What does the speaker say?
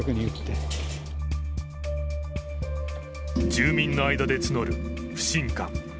住民の間で募る不信感。